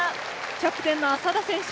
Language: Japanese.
キャプテンの浅田選手。